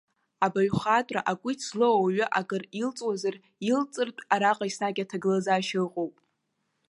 Абаҩхатәра акәиц злоу ауаҩы акыр илҵуазар илҵыртә араҟа еснагь аҭагылазаашьа ыҟоуп.